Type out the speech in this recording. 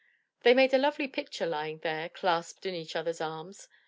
They made a lovely picture lying there clasped in each other's arms.